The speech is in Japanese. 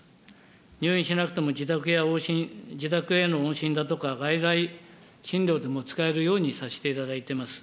入院しなくても自宅や往診、自宅への往診だとか、外来診療でも使えるようにさせていただいています。